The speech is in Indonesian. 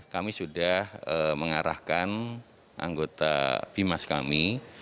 kami sudah mengarahkan anggota bimas kami